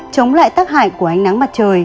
chống lại tác hại của ánh nắng mặt